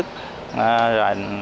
những người sản xuất